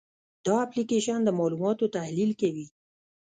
دا اپلیکیشن د معلوماتو تحلیل کوي.